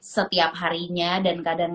setiap harinya dan kadang